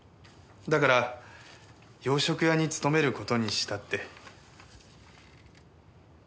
だから洋食屋に勤める事にしたって。